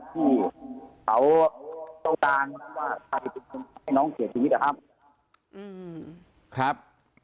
ที่เขาต้องการว่าใครเป็นคนให้น้องเสียชีวิตนะครับ